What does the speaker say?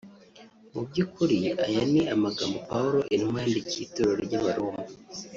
Mu by’ukuri aya ni amagambo Pawulo intumwa yandikiye itorero ry’abaroma